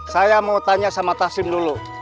saya mau tanya sama tashim dulu